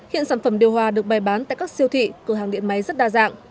hiện sản phẩm điều hòa được bày bán tại các siêu thị cửa hàng điện máy rất đa dạng